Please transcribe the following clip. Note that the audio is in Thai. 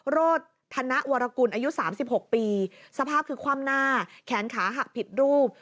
โรธนวรกุลอายุ๓๖ปีสภาพคือคว่ำหน้าแขนขาหักผิดรูป